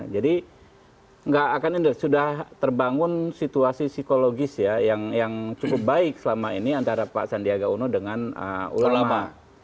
jadi tidak akan sudah terbangun situasi psikologis yang cukup baik selama ini antara pak sandiaga uno dengan ulama